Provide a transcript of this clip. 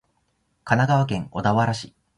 神奈川県小田原市